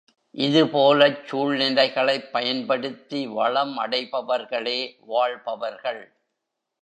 இதுபோலச் சூழ்நிலைகளைப் பயன்படுத்தி வளம் அடைபவர்களே வாழ்பவர்கள்.